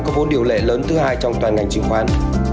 có vốn điều lệ lớn thứ hai trong toàn ngành chứng khoán